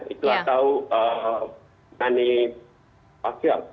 itu atau nani fakyol